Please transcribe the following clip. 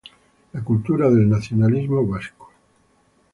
La cultura del nacionalismo vasco.